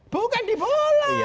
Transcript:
bukan di bola